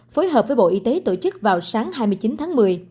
phối hợp với bộ y tế tổ chức vào sáng hai mươi chín tháng một mươi